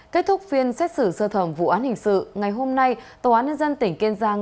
kết thúc phiên xét xử sơ thẩm vụ án hình sự ngày hôm nay tòa án nhân dân tỉnh kiên giang